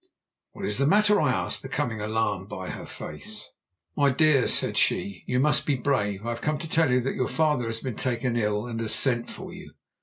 "'What is the matter?' I asked, becoming alarmed by her face. "'My dear,' said she, 'you must be brave. I have come to tell you that your father has been taken ill, and has sent for you.'